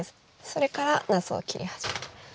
それからなすを切り始め。